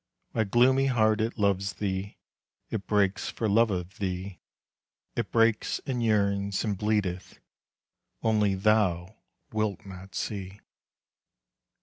My gloomy heart it loves thee; It breaks for love of thee, It breaks, and yearns, and bleedeth, Only thou wilt not see.